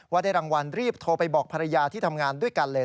ได้รางวัลรีบโทรไปบอกภรรยาที่ทำงานด้วยกันเลย